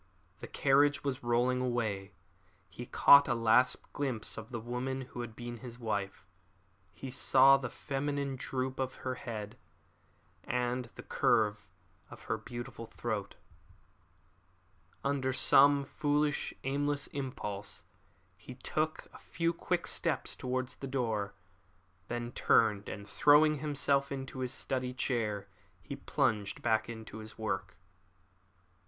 The carriage was rolling away. He caught a last glimpse of the woman who had been his wife. He saw the feminine droop of her head, and the curve of her beautiful throat. Under some foolish, aimless impulse, he took a few quick steps towards the door. Then he turned, and throwing himself into his study chair he plunged back into his work.